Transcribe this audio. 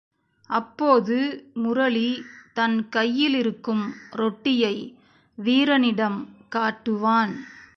அப்போது முரளி தன் கையிலிருக்கும் ரொட்டியை வீரனிடம் காட்டுவான்.